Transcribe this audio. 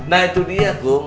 nah itu dia kum